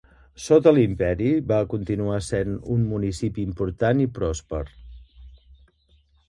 Sota l'imperi, va continuar sent un municipi important i pròsper.